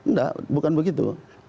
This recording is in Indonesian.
nggak bukan begitu